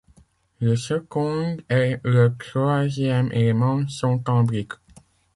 Le second et le troisième élément sont en brique.